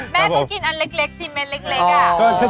แม่ก็กินอันเล็กสิเม็ดเล็กอ่ะ